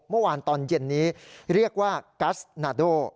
เมื่อวานตอนเย็นนี้เรียกว่ากัสนาโด